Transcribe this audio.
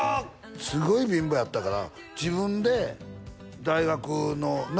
すごい貧乏やったから自分で大学のな